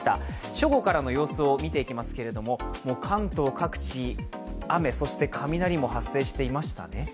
正午からの様子を見ていきますけど、関東各地雨、そして雷も発生していましたね。